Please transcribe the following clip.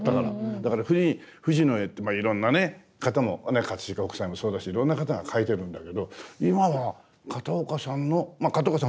だから富士の絵っていろんなね飾北斎もそうだしいろんな方が描いてるんだけど今は片岡さんのまあ片岡さん